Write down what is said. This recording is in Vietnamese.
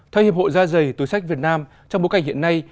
theo hiệp hội gia dày tối sách việt nam trong bối cảnh hiện nay